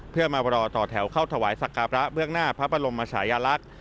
เพื่อมารอต่อแถวเข้าถวายสักการะเบื้องหน้าพระบรมมชายลักษณ์